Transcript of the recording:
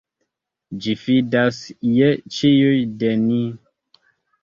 Ĝi fidas je ĉiuj de ni.